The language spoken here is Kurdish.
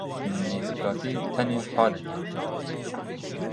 Nêzîkatî tenê halek e.